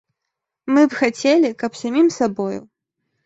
Мы б хацелі, каб самім сабою.